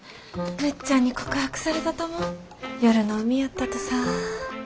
むっちゃんに告白されたとも夜の海やったとさ。